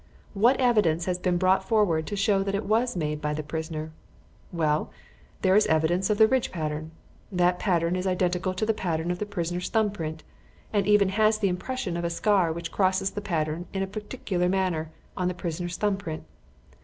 What evidence has been brought forward to show that it was made by the prisoner? Well, there is the evidence of the ridge pattern. That pattern is identical with the pattern of the prisoner's thumb print, and even has the impression of a scar which crosses the pattern in a particular manner in the prisoner's thumb print.